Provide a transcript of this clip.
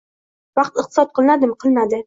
Vaqt iqtisod qilinadimi? Qilinadi!